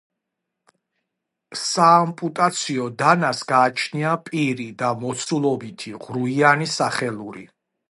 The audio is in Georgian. საამპუტაციო დანას გააჩნია პირი და მოცულობითი, ღრუიანი სახელური.